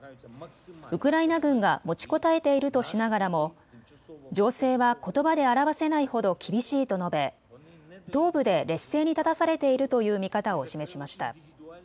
ウクライナ軍が持ちこたえているとしながらも情勢はことばで表せないほど厳しいと述べ東部で劣勢に立たされているという見方を示しました。